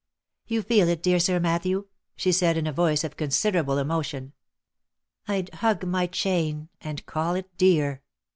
" You feel it, dear Sir Matthew !" she said, in a voice of consider able emotion. " I'd hug my chain, and call it dear!"